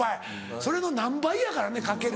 それの何倍やからね掛ける。